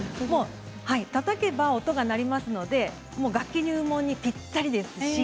たたけば音が鳴りますので楽器入門にぴったりですね。